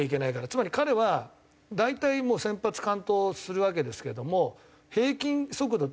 つまり彼は大体もう先発完投するわけですけども。